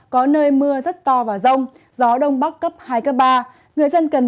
có nơi mưa rất to và rông gió đông bắc cấp hai cấp ba